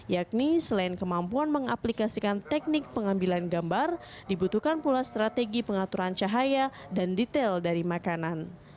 yakni selain kemampuan mengaplikasikan teknik pengambilan gambar dibutuhkan pula strategi pengaturan cahaya dan detail dari makanan